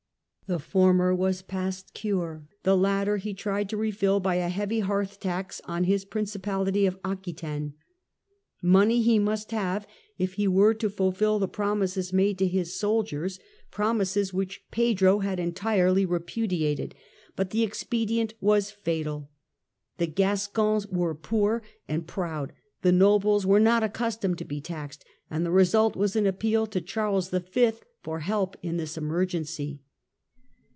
The former was past cure ; the latter he tried to refill by a heavy hearth tax on his Principahty of Aquitaine. Money he must have if he were to fulfil the promises made to his soldiers, promises which Pedro FRENCH HISTORY, 1328 1380 153 had entirely repudiated ; but the expedient was fatal. The Gascons were poor and proud, the nobles were not accustomed to be taxed, and the result was an appeal to Charles V. for help in this emergency.